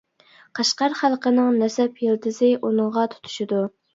قەشقەر خەلقىنىڭ نەسەب يىلتىزى ئۇنىڭغا تۇتىشىدۇ.